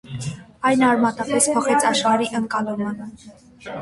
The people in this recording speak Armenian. Այն արմատապես փոխեց աշխարհի ընկալումը։